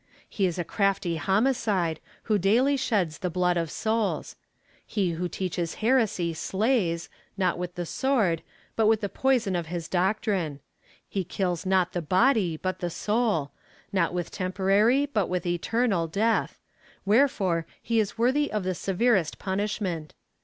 He is a crafty homicide, who daily sheds the blood of souls. He who teaches heresy slays, not with the sword, but with the poison of his doctrine; he kills not the body but the soul, not with tempo rary but with eternal death, wherefore he is worthy of the severest punishment.